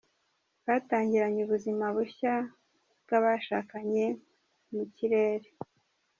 Batangiranye ubuzima bushya bw'abashakanye mu kirere.